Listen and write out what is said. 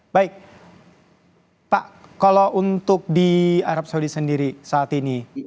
baik pak kalau untuk di arab saudi sendiri saat ini